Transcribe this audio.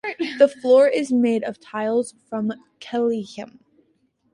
The floor is made of tiles from Kelheim.